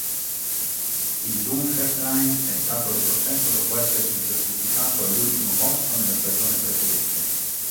Il Dunfermline è stato retrocesso dopo essersi classificato all'ultimo posto nella stagione precedente.